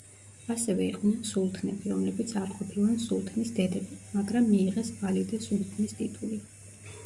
ასევე იყვნენ სულთნები, რომლებიც არ ყოფილან სულთნის დედები, მაგრამ მიიღეს ვალიდე სულთნის ტიტული.